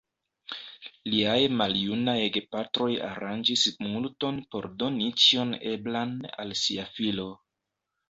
Liaj maljunaj gepatroj aranĝis multon por doni ĉion eblan al sia filo.